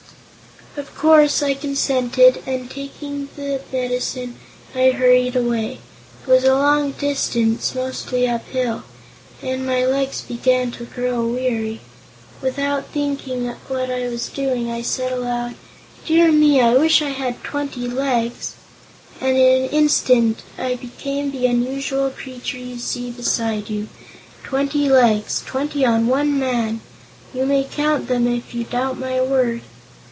Of course I consented and, taking the medicine, I hurried away. It was a long distance, mostly up hill, and my legs began to grow weary. Without thinking what I was doing I said aloud: 'Dear me; I wish I had twenty legs!' and in an instant I became the unusual creature you see beside you. Twenty legs! Twenty on one man! You may count them, if you doubt my word."